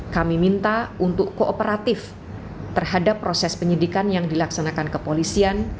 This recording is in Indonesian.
kami minta untuk kooperatif terhadap proses penyidikan yang dilaksanakan kepolisian